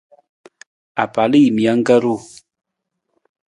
Apalajiimijang ka ru.